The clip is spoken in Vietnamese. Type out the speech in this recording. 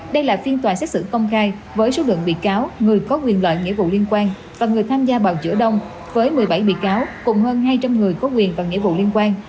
đây là phiên tòa xét xử công khai với số lượng bị cáo người có quyền lợi nghĩa vụ liên quan và người tham gia bào chữa đông với một mươi bảy bị cáo cùng hơn hai trăm linh người có quyền và nghĩa vụ liên quan